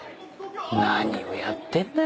何をやってんだよ